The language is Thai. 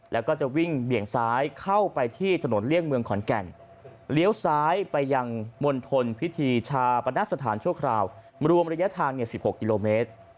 แล้วก็จะวิ่งเบี่ยงซ้ายเข้าไปที่ถนนเลี่ยงเมืองขอนแก่นเลี้ยวซ้ายไปยังมณฑลพิธีชาปนสถานชั่วคราวรวมระยะทาง๑๖กิโลเมตร